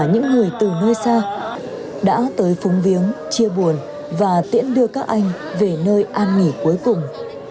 những người từ nơi xa đã tới phúng viếng chia buồn và tiễn đưa các anh về nơi an nghỉ cuối cùng